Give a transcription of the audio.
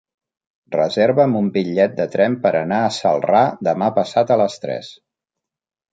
Reserva'm un bitllet de tren per anar a Celrà demà passat a les tres.